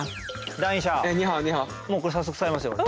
もうこれ早速使いますよ俺。